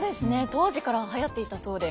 当時からはやっていたそうで。